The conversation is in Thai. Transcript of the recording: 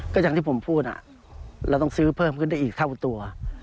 ก็อย่างที่ผมพูดเราต้องซื้อเพิ่มขึ้นได้อีกเท่าตัว